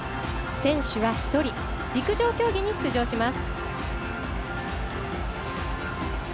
選手は１人陸上競技に出場します。